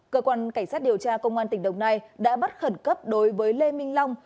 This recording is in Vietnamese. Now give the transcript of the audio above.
cơ quan cảnh sát điều tra công an tp đà nẵng đã bắt khẩn cấp đối với lê minh long